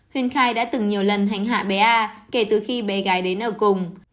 huyên khai đã từng nhiều lần hành hạ bé a kể từ khi bé gái đến ở cùng